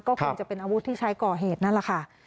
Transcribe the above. ก็คงจะเป็นอาวุธที่ใช้ก่อเหตุนั่นแหละค่ะ